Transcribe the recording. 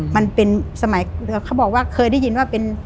มันเป็นสมัยเขาบอกว่าเคยได้ยินว่าเป็น